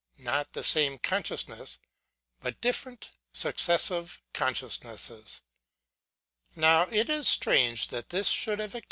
not the same consciousness, but different successive conscious nesses. Now it is strange that this should have occa 1 Locke's Works, vol. i. p.